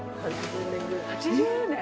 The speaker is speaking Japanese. ８０年！